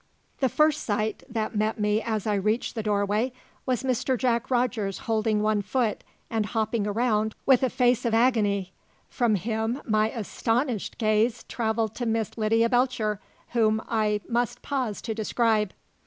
The first sight that met me as I reached the doorway was Mr. Jack Rogers holding one foot and hopping around with a face of agony. From him my astonished gaze travelled to Miss Lydia Belcher, whom I must pause to describe.